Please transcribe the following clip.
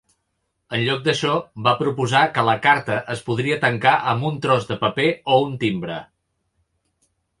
En lloc d'això, va proposar que la carta es podria tancar amb un "tros de paper" o un timbre.